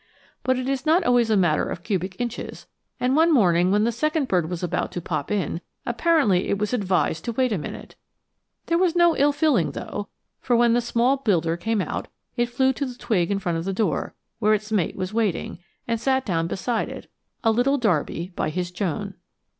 But it is not always a matter of cubic inches, and one morning when the second bird was about to pop in, apparently it was advised to wait a minute. There was no ill feeling, though, for when the small builder came out it flew to the twig in front of the door, where its mate was waiting, and sat down beside it, a little Darby by his Joan.